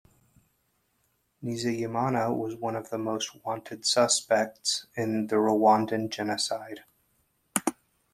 Nizeyimana was one of the most wanted suspects in the Rwandan genocide.